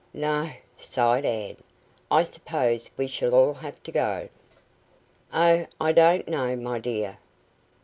"No," sighed Ann. "I suppose we shall all have to go." "Oh, I don't know, my dear.